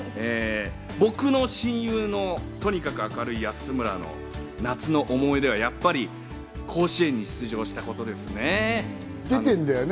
僕の親友の、とにかく明るい安村の夏の思い出は、甲子園に出場したことですね。